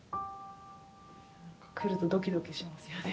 来るとドキドキしますよね。